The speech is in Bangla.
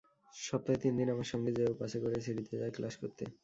সপ্তাহে তিন দিন আমার সঙ্গে সেও বাসে করে সিটিতে যায় ক্লাস করতে।